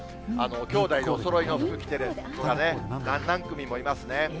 きょうだいでおそろいの服着てる子がね、何組もいますね。